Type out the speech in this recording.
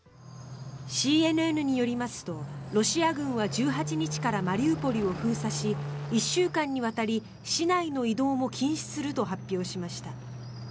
ＣＮＮによりますとロシア軍は１８日からマリウポリを封鎖し１週間にわたり市内の移動も禁止すると発表しました。